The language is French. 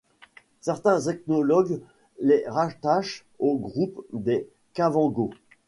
Certains ethnologues les rattachent au groupe des Kavangos.